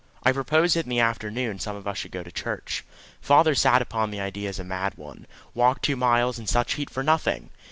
I proposed that in the afternoon some of us should go to church. Father sat upon the idea as a mad one. Walk two miles in such heat for nothing!